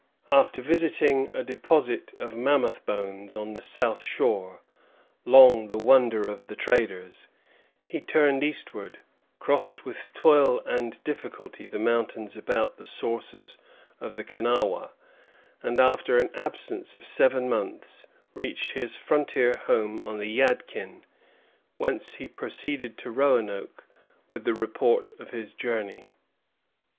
After visiting a deposit of mammoth bones on the south shore, long the wonder of the traders, he turned eastward, crossed with toil and difficulty the mountains about the sources of the Kenawha, and after an absence of seven months reached his frontier home on the Yadkin, whence he proceeded to Roanoke with the report of his journey.